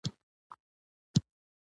ارواپوهنه د ژوند په اړه ځینې ټکي وایي.